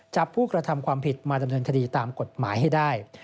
ผู้กระทำความผิดมาดำเนินคดีตามกฎหมายให้ได้